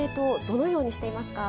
どのようにしていますか？